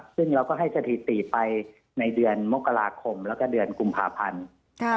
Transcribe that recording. ซึ่งเราก็ให้สถิติไปในเดือนมกราคมแล้วก็เดือนกุมภาพันธ์